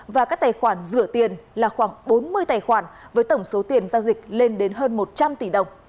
và các tài khoản rửa tiền là khoảng bốn mươi tài khoản với tổng số tiền giao dịch lên đến hơn một trăm linh tỷ đồng